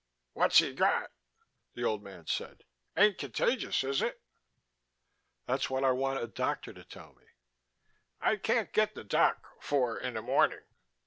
"What's he got?" the old man said. "Ain't contagious, is it?" "That's what I want a doctor to tell me." "I can't get the doc 'fore in the morning.